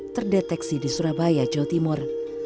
terdeteksi di surabaya jawa timur